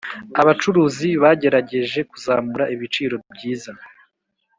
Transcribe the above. abacuruzi bagerageje kuzamura ibiciro byiza